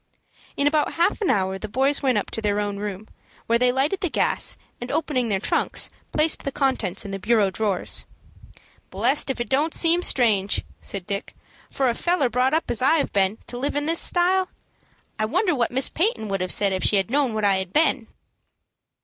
In about half an hour the boys went up to their own room, where they lighted the gas, and, opening their trunks, placed the contents in the bureau drawers. "Blessed if it don't seem strange," said Dick, "for a feller brought up as I have been to live in this style. I wonder what Miss Peyton would have said if she had known what I had been."